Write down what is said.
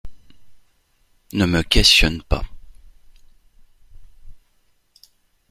Ne me questionne pas !